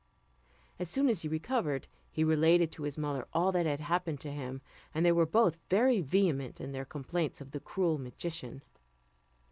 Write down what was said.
As soon as he recovered, he related to his mother all that had happened to him, and they were both very vehement in their complaints of the cruel magician.